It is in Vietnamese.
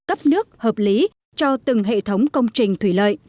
cấp nước hợp lý cho từng hệ thống công trình thủy lợi